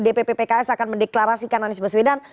dpp pks akan mendeklarasikan anies baswedan